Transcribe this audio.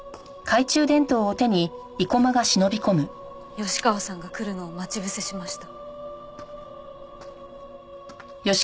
吉川さんが来るのを待ち伏せしました。